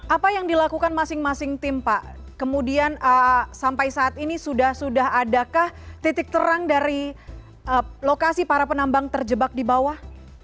apa yang dilakukan masing masing tim pak kemudian sampai saat ini sudah sudah adakah titik terang dari lokasi para penambang terjebak di bawah